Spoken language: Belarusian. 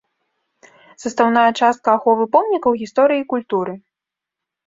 Састаўная частка аховы помнікаў гісторыі і культуры.